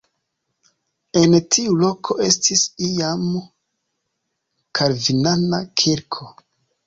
En tiu loko estis iam kalvinana kirko.